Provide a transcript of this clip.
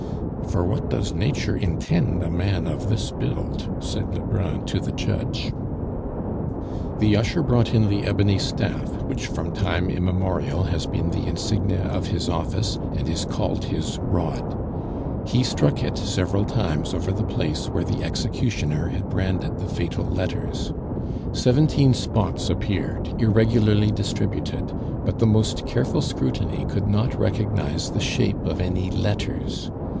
"For what does nature intend a man of this build?" said Lebrun to the judge. The usher brought in the ebony staff, which from time immemorial has been the insignia of his office, and is called his rod; he struck it several times over the place where the executioner had branded the fatal letters. Seventeen spots appeared, irregularly distributed, but the most careful scrutiny could not recognize the shape of any letters.